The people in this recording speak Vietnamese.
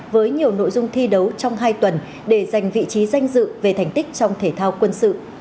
với nhiều nội dung thi đấu trong hai tuần để giành vị trí danh dự về thành tích trong thể thao quân sự